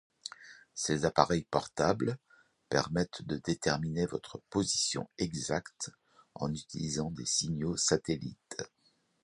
Ces appareils portables permettent de déterminer votre position exacte en utilisant des signaux satellites.